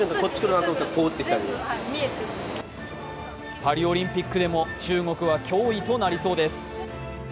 パリオリンピックでも中国は脅威となりそうです。